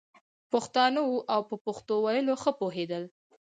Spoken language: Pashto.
پښتانه وو او په پښتو ویلو ښه پوهېدل.